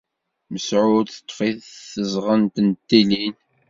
Mesεud teṭṭef-it tezɣent n tilin.